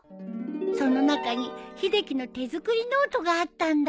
その中に秀樹の手作りノートがあったんだ。